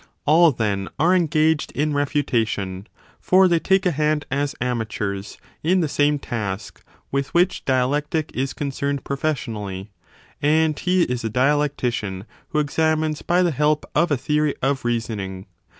All, then, are engaged in refutation ; for they take a hand as amateurs in 35 the same task with which dialectic is concerned profession ally ; and he is a dialectician who examines by the help of a theory of reasoning.